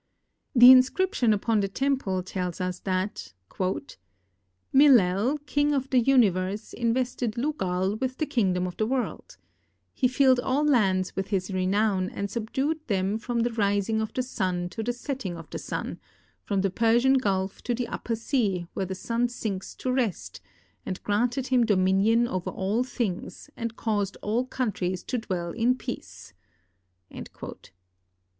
The inscription upon the temple tells us that " Millel, king of the universe, invested Lugal with the kingdom of the world. He filled all lands with his renown and subdued them from the rising of the sun to the setting of the sun — from the Persian gulf to the Upper Sea, where the sun sinks to rest, and granted him dominion over all things and caused all countries to dwell in peace."